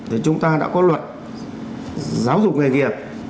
thì chúng ta đã có luật giáo dục nghề nghiệp